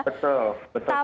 betul betul sekali